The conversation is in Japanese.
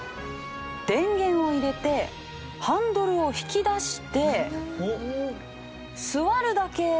電源を入れてハンドルを引き出して座るだけ。